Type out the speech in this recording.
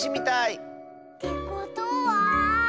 ってことは。